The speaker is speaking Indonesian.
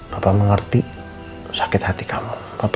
bapak mengerti sakit hati kamu